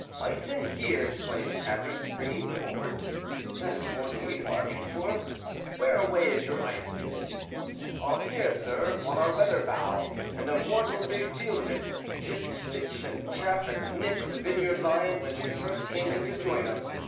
"Ice in here!" exclaimed Hazard springing forward; "that is more than we bargained for. Where away is your ice, Smith?" "Off here, sir, on our weather bow, and a mortal big field of it; jist sich a chap as nipp'd the Vineyard Lion when she first came in to join us.